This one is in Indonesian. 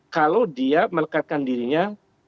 kalau dia melekatkan dirinya